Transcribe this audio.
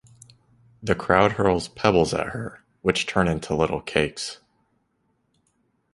The crowd hurls pebbles at her, which turn into little cakes.